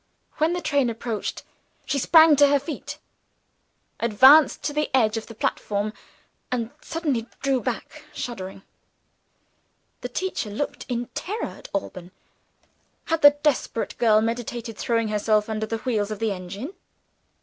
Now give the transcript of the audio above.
When the train approached, she sprang to her feet advanced to the edge of the platform and suddenly drew back, shuddering. The teacher looked in terror at Alban. Had the desperate girl meditated throwing herself under the wheels of the engine?